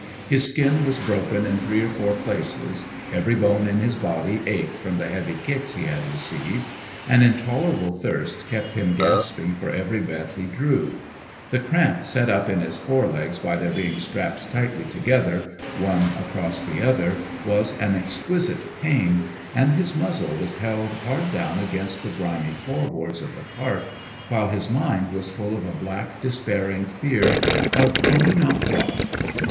His skin was broken in three or four places; every bone in his body ached from the heavy kicks he had received; an intolerable thirst kept him gasping for every breath he drew; the cramp set up in his fore legs by their being strapped tightly together, one across the other, was an exquisite pain; and his muzzle was held hard down against the grimy floor boards of the cart, while his mind was full of a black despairing fear of he knew not what.